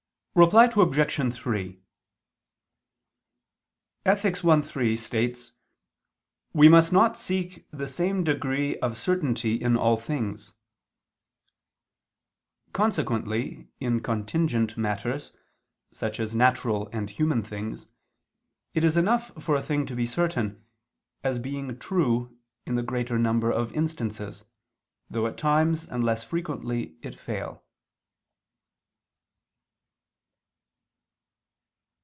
Reply Obj. 3: "We must not seek the same degree of certainty in all things" (Ethic. i, 3). Consequently in contingent matters, such as natural and human things, it is enough for a thing to be certain, as being true in the greater number of instances, though at times and less frequently it fail.